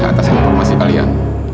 terima kasih atas informasi kalian